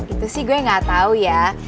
itu sih gue gak tau ya